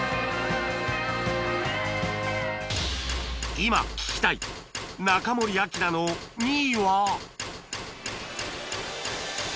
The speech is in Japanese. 今聴きたい中森明菜の２位は